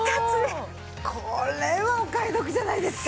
これはお買い得じゃないですか！